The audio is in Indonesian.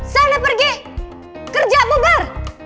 saya udah pergi kerja buber